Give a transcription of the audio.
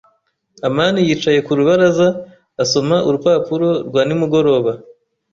amani yicaye ku rubaraza, asoma urupapuro rwa nimugoroba.